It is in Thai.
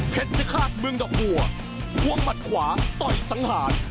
เพชรพิฆาตเมืองดับหัวท้วงบัตรขวาต่อยสังหาร